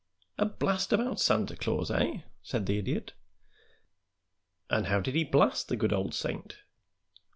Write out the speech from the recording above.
"A blast about Santa Claus, eh!" said the Idiot. "And how did he blast the good old saint?"